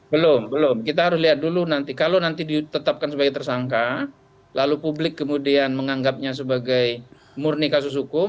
belum belum kita harus lihat dulu nanti kalau nanti ditetapkan sebagai tersangka lalu publik kemudian menganggapnya sebagai murni kasus hukum